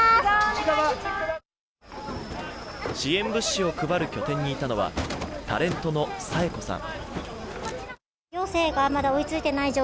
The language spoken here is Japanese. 支援物資を配る拠点にいたのは、タレントの紗栄子さん。